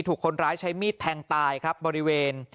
ถูกคนร้ายใช้มีดแทงตายครับบริเวณ